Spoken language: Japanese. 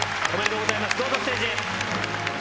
おめでとうございます。